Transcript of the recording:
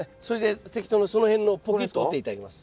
適当なその辺のポキッと折って頂きます。